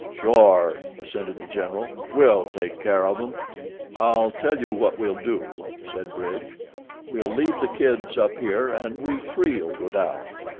"Sure," assented The General; "we'll take care of 'em." "I'll tell you what we'll do," said Bridge; "we'll leave the kids up here and we three'll go down.